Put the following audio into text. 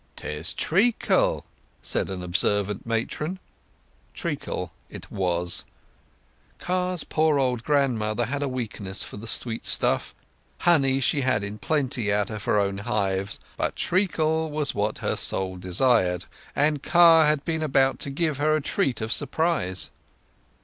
"'Tis treacle," said an observant matron. Treacle it was. Car's poor old grandmother had a weakness for the sweet stuff. Honey she had in plenty out of her own hives, but treacle was what her soul desired, and Car had been about to give her a treat of surprise.